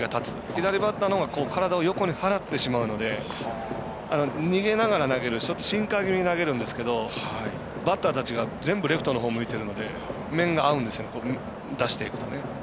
左バッターのほうが体を横に払ってしまうので逃げながら投げるシンカー気味に投げるんですけどバッターたちが全部レフトのほうを向いてるので面が合うんですよ、出していくと。